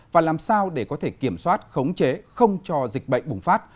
và làm sao để có thể kiểm soát khống chế không cho dịch bệnh bùng phát